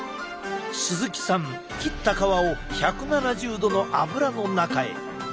鈴木さん切った皮を１７０℃の油の中へ。